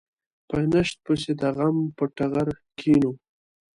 په نشت پسې د غم په ټغره کېنو.